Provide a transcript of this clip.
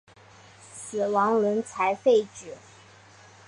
死亡轮才废止。